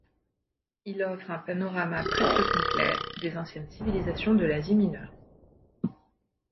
Il offre un panorama presque complet des anciennes civilisations de l'Asie mineure.